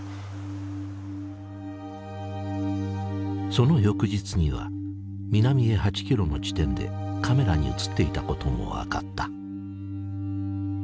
その翌日には南へ８キロの地点でカメラに写っていたことも分かった。